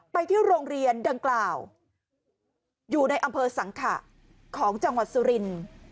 ไปที่โรงเรียนดังกล่าวอยู่ในอำเภอสังขะของจังหวัดสุรินทร์